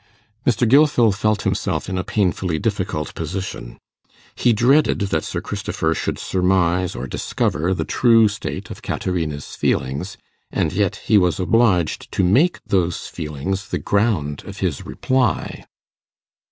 Mr. Gilfil felt himself in a painfully difficult position. He dreaded that Sir Christopher should surmise or discover the true state of Caterina's feelings, and yet he was obliged to make those feelings the ground of his reply.